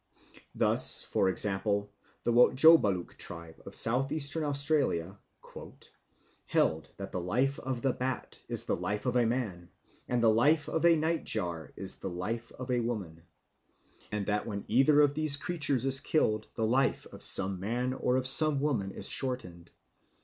Thus, for example, the Wotjobaluk tribe of South Eastern Australia "held that 'the life of Ngunungunut (the Bat) is the life of a man, and the life of Yártatgurk (the Nightjar) is the life of a woman,' and that when either of these creatures is killed the life of some man or of some woman is shortened.